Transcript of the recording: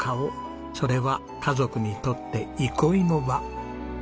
それは家族にとって憩いの場。